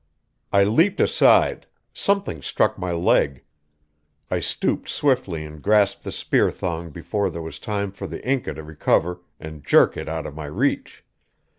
I leaped aside; something struck my leg; I stooped swiftly and grasped the spear thong before there was time for the Inca to recover and jerk it out of my reach.